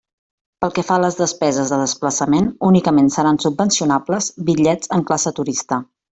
Pel que fa a les despeses de desplaçament, únicament seran subvencionables bitllets en classe turista.